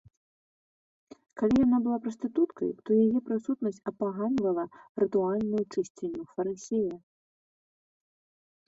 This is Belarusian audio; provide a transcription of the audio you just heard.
Калі яна была прастытуткай, то яе прысутнасць апаганьвала рытуальную чысціню фарысея.